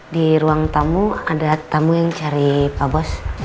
di ruang tamu ada tamu yang cari pak bos